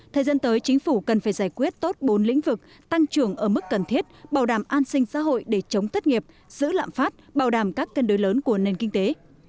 thời gian tới chính phủ cần phải giải quyết tốt bốn lĩnh vực tăng trưởng ở mức cần thiết bảo đảm an sinh xã hội để chống thất nghiệp giữ lạm phát bảo đảm các cân đối lớn của nền kinh tế